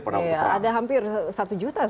ada hampir satu juta